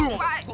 lo buat apa